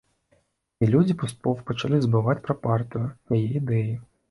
І людзі паступова пачалі забываць пра партыю, яе ідэі.